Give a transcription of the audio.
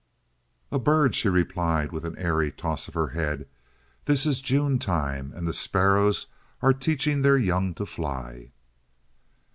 "A bird," she replied, with an airy toss of her head. "This is June time, and the sparrows are teaching their young to fly."